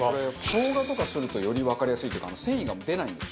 しょうがとかするとよりわかりやすいというか繊維が出ないんで。